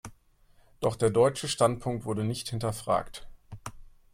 Doch der deutsche Standpunkt wurde nicht hinterfragt.